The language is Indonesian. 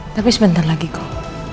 tapi sebentar lagi kok